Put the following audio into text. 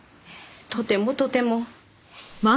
とてもとても。